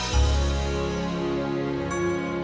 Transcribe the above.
kapan dia ngeliatnya